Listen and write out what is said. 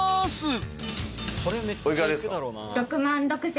お幾らですか？